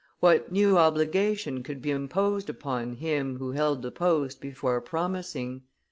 What new obligation could be imposed upon him who held the post before promising?"